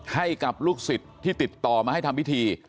ให้กับลูกศิษย์ที่ติดต่อมาให้ทำพิธี